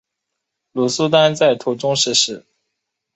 鲁速丹在途中逝世。